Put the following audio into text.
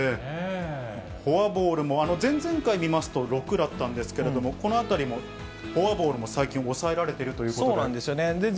フォアボールも前々回見ますと６だったんですけれども、このあたりも、フォアボールも最近抑えられてるということなんですが。